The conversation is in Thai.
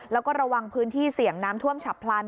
แล้วก็ระวังพื้นที่เสี่ยงน้ำท่วมฉับพลัน